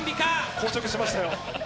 硬直しましたよ！